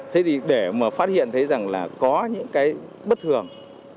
thế thì để mà phát hiện thấy rằng là có những cái bất thường